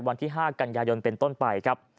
วันที่๕กันยายนเป็นต้นไปครับ